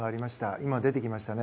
今、出てきましたね。